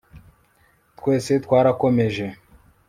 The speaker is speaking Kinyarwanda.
twese twarakomeje